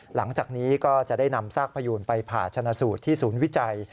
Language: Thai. หลังจากนี้ก็จะได้นำซากพยูนไปผ่าชนะสูตรที่ศูนย์วิจัย